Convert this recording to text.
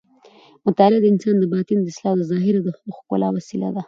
مطالعه د انسان د باطن د اصلاح او د ظاهر د ښکلا وسیله ده.